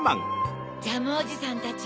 ジャムおじさんたち